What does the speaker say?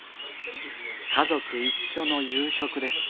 家族一緒の夕食です